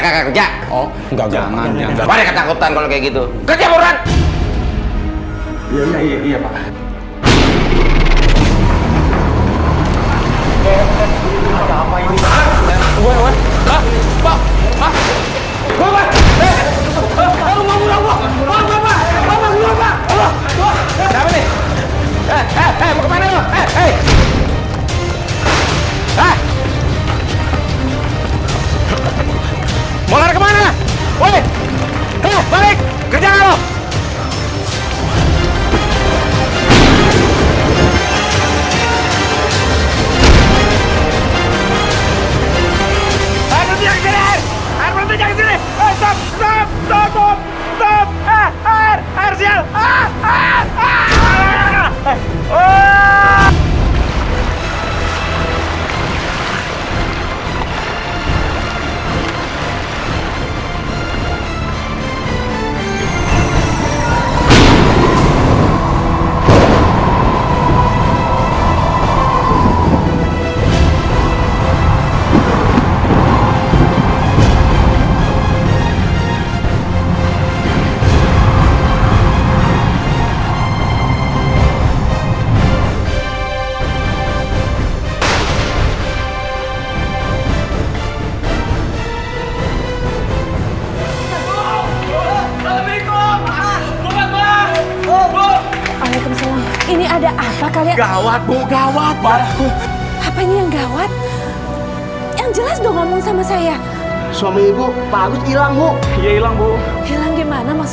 kerja oh jangan jangan ketakutan kalau kayak gitu kerja murah iya iya iya iya pak